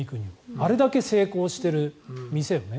あれだけ成功している店をね。